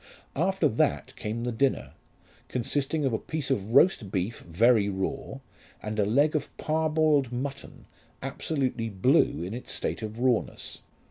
After that came the dinner, consisting of a piece of roast beef very raw, and a leg of parboiled mutton, absolutely blue in its state of rawness.